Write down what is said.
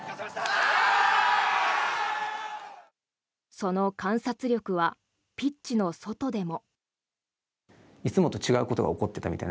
その観察力はピッチの外でも。